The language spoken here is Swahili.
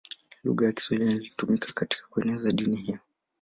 Lugha ya Kiswahili ilitumika katika kueneza dini hiyo.